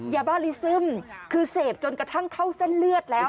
ยาบ้าลิซึมคือเสพจนกระทั่งเข้าเส้นเลือดแล้ว